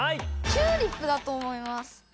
チューリップだと思います。